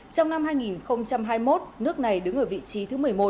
trong năm hai nghìn hai mươi một nước này đứng ở vị trí thứ một mươi một